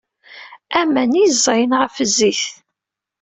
Aman i yeẓẓayen ɣef zzit.